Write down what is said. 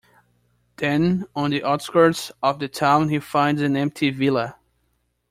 Then on the outskirts of the town he finds an empty villa.